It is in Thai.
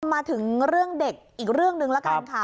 มาถึงเรื่องเด็กอีกเรื่องหนึ่งแล้วกันค่ะ